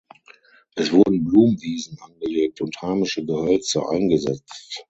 Es wurden Blumenwiesen angelegt und heimische Gehölze eingesetzt.